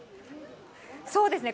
そうですね。